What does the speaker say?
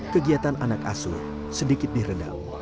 kegiatan anak asuh sedikit diredam